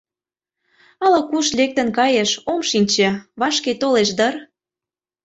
Ала-куш лектын кайыш, ом шинче, вашке толеш дыр...